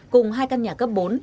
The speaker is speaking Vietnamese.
cùng hai căn nhà cấp bốn